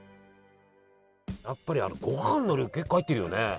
やっぱりごはんの量結構入ってるよね。